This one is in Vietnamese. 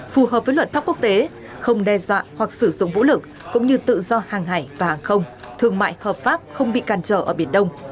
phù hợp với luật pháp quốc tế không đe dọa hoặc sử dụng vũ lực cũng như tự do hàng hải và hàng không thương mại hợp pháp không bị càn trở ở biển đông